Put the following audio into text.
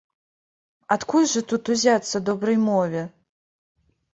Адкуль жа тут узяцца добрай мове?